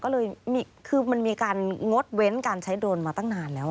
ก็เลยคือมันมีการงดเว้นการใช้โดรนมาตั้งนานแล้ว